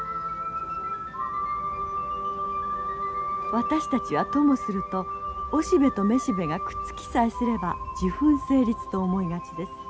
私たちはともするとオシベとメシベがくっつきさえすれば受粉成立と思いがちです。